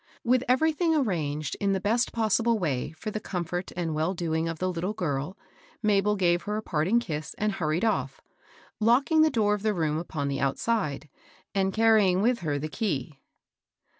With everything arranged in the best possible way for the comfort and well doing of the little girl, Mabel gave her a parting kiss, and hurried off, locking the door of the room upon the outside, and carrying with her the key.